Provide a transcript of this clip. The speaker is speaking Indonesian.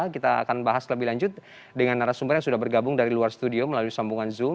kita akan bahas lebih lanjut dengan narasumber yang sudah bergabung dari luar studio melalui sambungan zoom